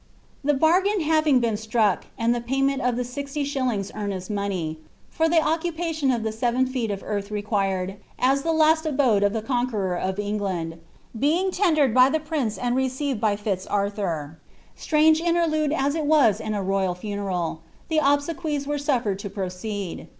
The bargain having been struck, and the payment of the sixty shillings earnest money f for Sie occupation of the seven feet of earth, reauireNd, u the last aboae of the Conqueror of England) being tendered by the prince and received by Fitz Arthur, — strange interlude as it was in a royal funeral^— the obsequies were suflered to proceed.